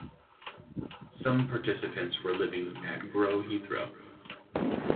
Some participants were living at Grow Heathrow.